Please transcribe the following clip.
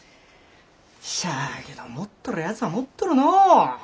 しゃあけど持っとるやつは持っとるのう。